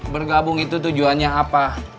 bergabung itu tujuannya apa